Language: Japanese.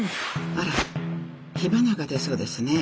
あら火花が出そうですね。